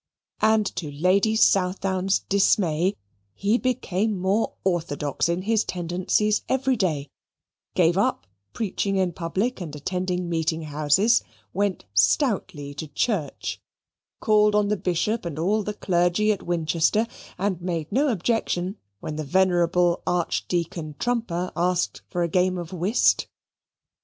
And to Lady Southdown's dismay too he became more orthodox in his tendencies every day; gave up preaching in public and attending meeting houses; went stoutly to church; called on the Bishop and all the Clergy at Winchester; and made no objection when the Venerable Archdeacon Trumper asked for a game of whist.